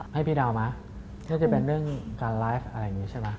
ให้พี่ดาวมาถ้ามีเรื่องการไลฟ์ใช่ไหม